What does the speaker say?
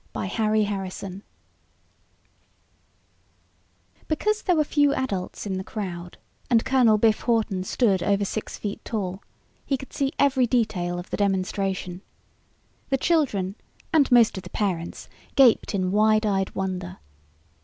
BY HARRY HARRISON [Illustration: SHOP] Because there were few adults in the crowd, and Colonel "Biff" Hawton stood over six feet tall, he could see every detail of the demonstration. The children and most of the parents gaped in wide eyed wonder.